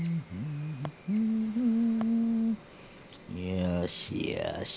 よしよし。